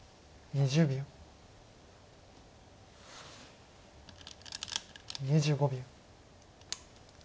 ２５秒。